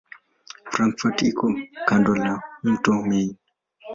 Frankfurt iko kando la mto Main.